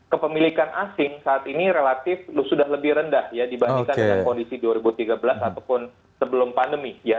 kepemilikan asing saat ini relatif sudah lebih rendah ya dibandingkan dengan kondisi dua ribu tiga belas ataupun sebelum pandemi ya